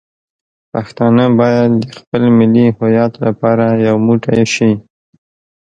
پښتانه باید د خپل ملي هویت لپاره یو موټی شي.